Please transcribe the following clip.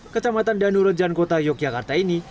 kecamatan danurojan kota yogyakarta ini